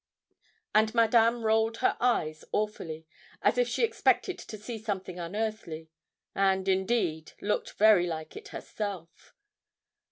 And Madame rolled her eyes awfully, as if she expected to see something unearthly, and, indeed, looked very like it herself.